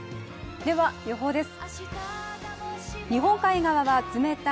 では予報です。